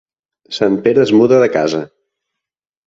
Sant Pere es muda de casa.